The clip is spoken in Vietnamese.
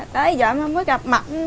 tới giờ em không có gặp mặt